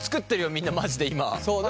みんなマジで今。